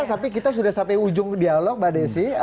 tapi kita sudah sampai ujung dialog mbak desi